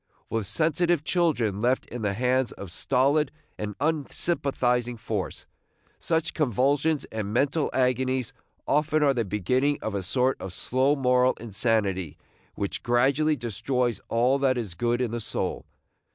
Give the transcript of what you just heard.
With sensitive children left in the hands of stolid and unsympathizing force, such convulsions and mental agonies often are the beginning of a sort of slow moral insanity which gradually destroys all that is good in the soul.